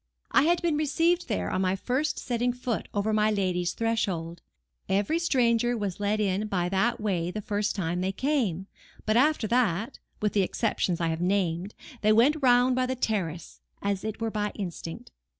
I had been received there on my first setting foot over my lady's threshold; every stranger was led in by that way the first time they came; but after that (with the exceptions I have named) they went round by the terrace, as it were by instinct.